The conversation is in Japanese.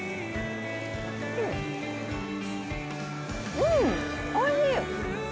うんおいしい！